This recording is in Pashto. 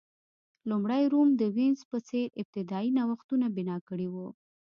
لومړی روم د وینز په څېر ابتدايي نوښتونه بنا کړي وو